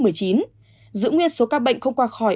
giữ nguyên số ca bệnh không qua khỏi